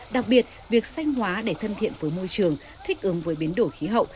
đặc biệt việc sanh hóa để thân thiện với môi trường thích ứng với biến đổi khí hậu